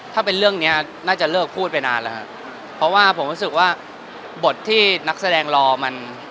ถ้าเป็นเรื่องเนี้ยน่าจะเลิกพูดไปนานแล้วฮะเพราะว่าผมรู้สึกว่าบทที่นักแสดงรอมัน